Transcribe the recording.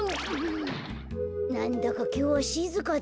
なんだかきょうはしずかだなあ。